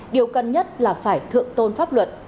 điều cần nhất là phải thượng tôn pháp luật